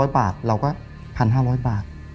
๐บาทเราก็๑๕๐๐บาท